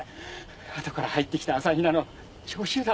あとから入ってきた朝比奈の助手だ。